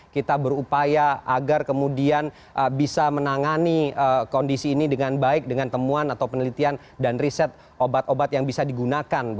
kita berupaya agar kemudian bisa menangani kondisi ini dengan baik dengan temuan atau penelitian dan riset obat obat yang bisa digunakan